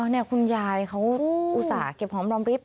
นี่คุณยายเขาอุตส่าห์เก็บหอมรอมริบ